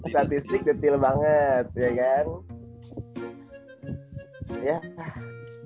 statistik detail banget ya kan